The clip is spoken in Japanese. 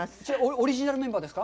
オリジナルメンバーですか？